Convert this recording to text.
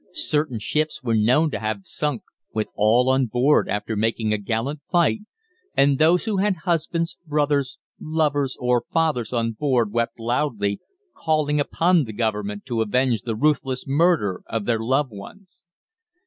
Certain ships were known to have been sunk with all on board after making a gallant fight, and those who had husbands, brothers, lovers, or fathers on board wept loudly, calling upon the Government to avenge the ruthless murder of their loved ones.